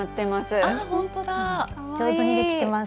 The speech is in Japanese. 上手にできてます。